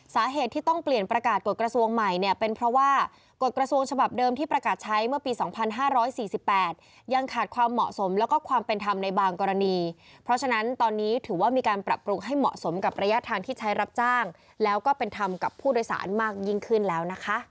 สาเหตุที่ต้องเปลี่ยนประกาศกฎกระทรวงใหม่เนี่ยเป็นเพราะว่ากฎกระทรวงฉบับเดิมที่ประกาศใช้เมื่อปี๒๕๔๘ยังขาดความเหมาะสมแล้วก็ความเป็นธรรมในบางกรณีเพราะฉะนั้นตอนนี้ถือว่ามีการปรับปรุงให้เหมาะสมกับระยะทางที่ใช้รับจ้างแล้วก็เป็นธรรมกับผู้โดยสารมากยิ่งขึ้นแล้วนะคะ